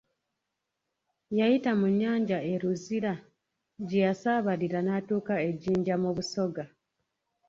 Yayita mu nnyanja, e Luzira gye yasaabalira n'atuuka e Jjinja mu Busoga.